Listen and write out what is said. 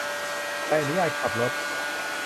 ใบอนุญาตขับรถ